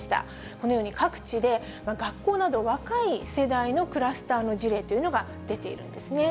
このように各地で学校など、若い世代のクラスターの事例というのが出ているんですね。